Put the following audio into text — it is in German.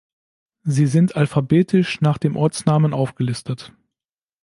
Sie sind alphabetisch nach dem Ortsnamen aufgelistet.